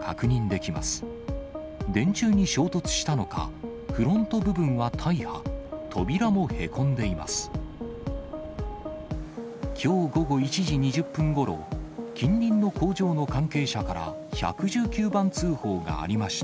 きょう午後１時２０分ごろ、近隣の工場の関係者から１１９番通報がありました。